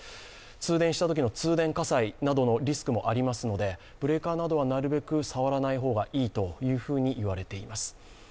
通電したときの通電火災などのリスクもありますので、なるべく触らない方がいいといわれています。